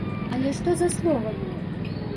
Але што за словамі?